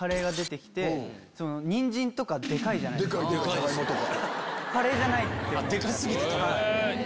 ジャガイモとか。